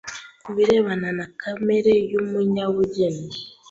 ku birebana na kamere y’umunyabugeni